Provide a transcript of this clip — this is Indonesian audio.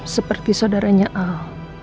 seperti saudaranya al